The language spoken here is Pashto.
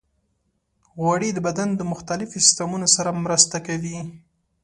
غوړې د بدن د مختلفو سیستمونو سره مرسته کوي.